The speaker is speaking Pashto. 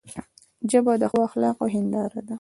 ژبه د ښو اخلاقو هنداره ده